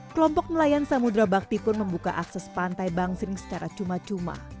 kelompok nelayan samudera bakti pun membuka akses pantai bangsering secara cuma cuma